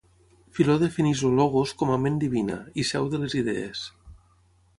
Filó defineix el logos com a ment divina, i seu de les idees.